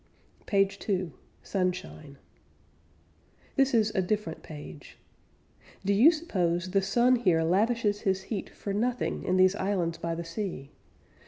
PAGE TWO SUNSHINE This is a different page. Do you suppose the sun here lavishes his heat For nothing, in these islands by the sea?